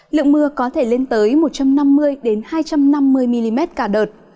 lượng mưa có thể lên tới một trăm năm mươi hai trăm năm mươi mm cả đợt